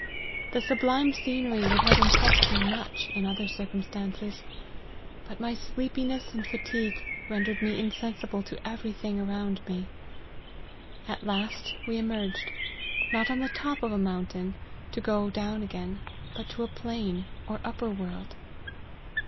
The sublime scenery would have impressed me much, in other circumstances : but my sleepiness and fa tigue rendered me insensible to every thing around me. At last we emerged, not on the top of a moun tain, to go down again, but to a plain, or upper world."